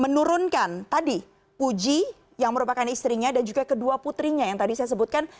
menurunkan tadi puji yang merupakan istrinya dan juga kedua putrinya yang tadi saya sebutkan